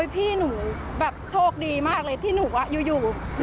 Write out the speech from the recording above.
พี่หนูโชคดีมากเลยที่หนูอยู่หนูสั่ง